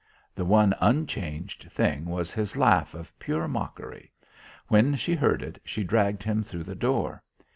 The one unchanged thing was his laugh of pure mockery. When she heard it, she dragged him through the door.